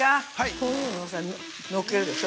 こういうのをのっけるでしょ。